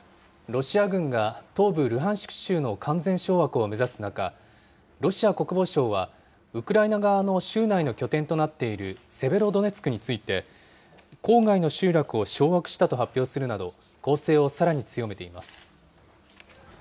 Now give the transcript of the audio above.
ロシア軍が東部ルハンシク州の完全掌握を目指す中、ロシア国防省は、ウクライナ側の州内の拠点となっているセベロドネツクについて、郊外の集落を掌握したと発表するなど、攻勢をさらに強めています。